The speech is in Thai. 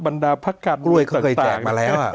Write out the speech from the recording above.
บรรดาพระคัณประตางลวยเขาเคยแจกมาแล้วอะ